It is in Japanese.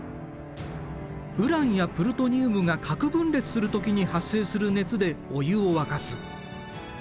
ウランやプルトニウムが核分裂する時に発生する熱でお湯を沸かす。